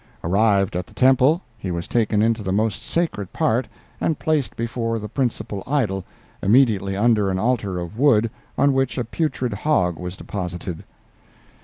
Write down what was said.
Arrived at the temple, he was taken into the most sacred part and placed before the principal idol, immediately under an altar of wood on which a putrid hog was deposited.